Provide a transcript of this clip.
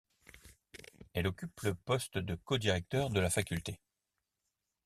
Elle occupe le poste de co-directeur de la faculté.